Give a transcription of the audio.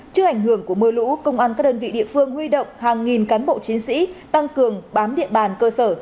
trước ảnh hưởng của mưa lũ công an các đơn vị địa phương huy động hàng nghìn cán bộ chiến sĩ tăng cường bám địa bàn cơ sở